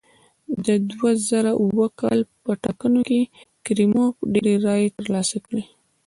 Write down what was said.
د دوه زره اووه کال په ټاکنو کې کریموف ډېرې رایې ترلاسه کړې.